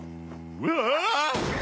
うわ！